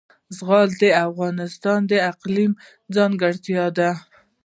زغال د افغانستان د اقلیم ځانګړتیا ده.